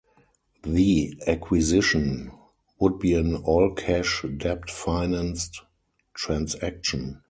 The acquisition would be an all-cash, debt-financed transaction.